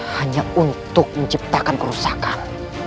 hanya untuk menciptakan kerusakan